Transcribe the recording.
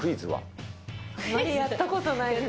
あまりやったことないです。